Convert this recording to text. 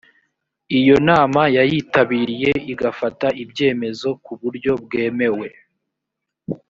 iyo nama yayitabiriye igafata ibyemezo ku buryo bwemewe